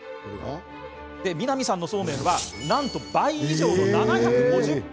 南さんのそうめんはなんと倍以上の７５０本。